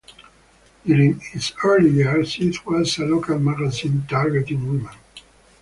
During its early years it was a local magazine targeting women.